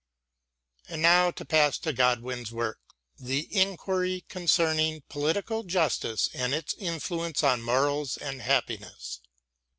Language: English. And now to pass to Godwin's work, " The Enquiry concerning Political Justice and its Influence on Morals and Happiness."